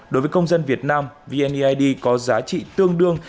đối với công dân việt nam vneid có giá trị tương đương